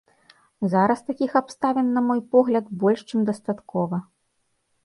Зараз такіх абставін, на мой погляд, больш чым дастаткова.